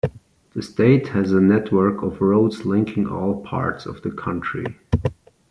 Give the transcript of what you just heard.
The state has a network of roads linking all parts of the country.